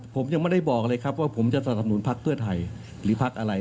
ผมยังไม่ได้บอกเลยครับว่าผมจะสนับสนุนพักเพื่อไทยหรือพักอะไร